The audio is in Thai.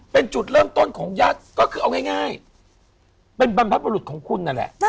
เป็นจุดเริ่มต้นของยัดก็คือเอาง่ายเป็นบรรพบรุษของคุณนั่นแหละ